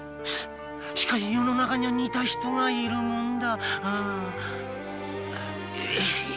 しかし世の中には似た人が居るもんだな。